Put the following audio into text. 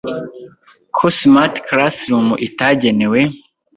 ko Smart Classroom itagenewe